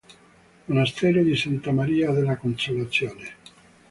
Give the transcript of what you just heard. Monastero di Santa Maria della Consolazione